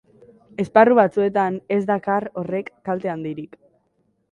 Esparru batzuetan ez dakar horrek kalte handirik.